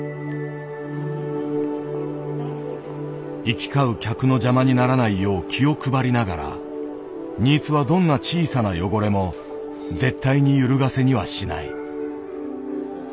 行き交う客の邪魔にならないよう気を配りながら新津はどんな小さな汚れも絶対にゆるがせにはしない。